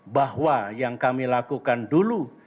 bahwa yang kami lakukan dulu